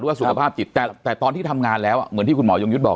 สุขภาพจิตแต่ตอนที่ทำงานแล้วเหมือนที่คุณหมอยงยุทธ์บอก